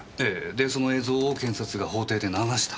でその映像を検察が法廷で流した。